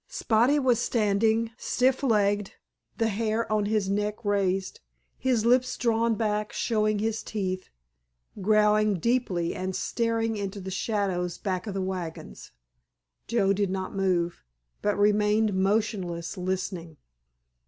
Spotty was standing, stiff legged, the hair on his neck raised, his lips drawn back showing his teeth, growling deeply and staring into the shadows back of the wagons. Joe did not move, but remained motionless listening.